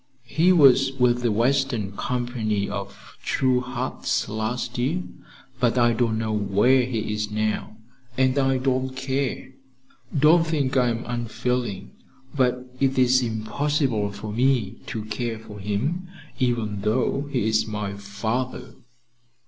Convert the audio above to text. He was with the western company of 'True Hearts' last year, but I don't know where he is now, and I don't care. Don't think I'm unfeeling; but it is impossible for me to care for him, even though he is my father."